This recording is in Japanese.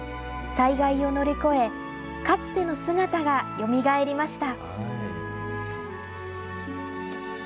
災害を乗り越え、かつての姿がよみがえりました。